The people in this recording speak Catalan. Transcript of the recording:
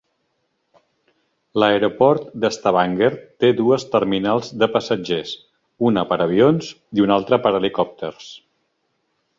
L"Aeroport d"Stavanger té dues terminals de passatgers, una per avions i una altra per helicòpters.